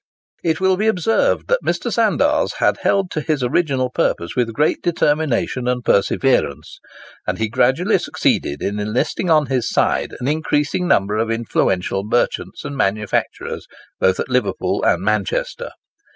It will be observed that Mr. Sandars had held to his original purpose with great determination and perseverance, and he gradually succeeded in enlisting on his side an increasing number of influential merchants and manufacturers both at Liverpool and Manchester.